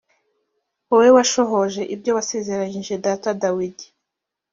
wowe washohoje ibyo wasezeranyije data dawidi